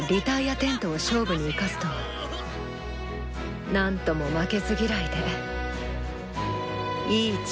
テントを勝負に生かすとは何とも負けず嫌いでいいチームだな。